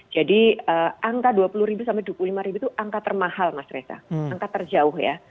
jadi angka rp dua puluh sampai rp dua puluh lima itu angka termahal mas reza angka terjauh ya